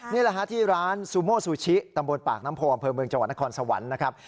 นี่แหละฮะที่ร้านซูโมซูชิตำบลปากน้ำโพอำเภอเมืองจังหวัดนครสวรรค์นะครับ